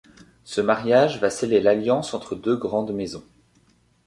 Ce mariage va sceller l’alliance entre deux grandes maisons.